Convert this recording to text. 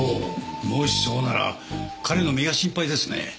もしそうなら彼の身が心配ですね。